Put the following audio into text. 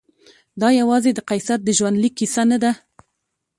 دا یوازې د قیصر د ژوندلیک کیسه نه ده.